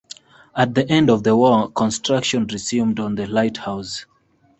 At the end of the war, construction resumed on the lighthouse.